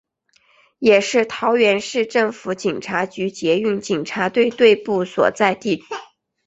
也是桃园市政府警察局捷运警察队队部所在地。